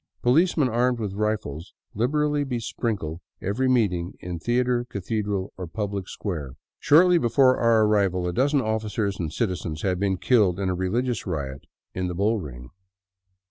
Policemen armed with rifles liberally besprinkle every meeting in theater, cathedral, or public square. Shortly before our arrival a dozen officers and citizens had been killed in a religious riot in the bullring.